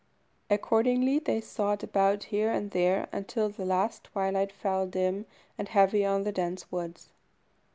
Accordingly they sought about here and there until at last the twilight fell dim and heavy on the dense woods.